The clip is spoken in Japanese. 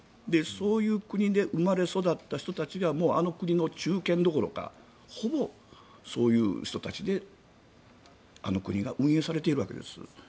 そういう国で生まれ育った人たちがあの国の中堅どころかほぼそういう人たちであの国が運営されているわけです。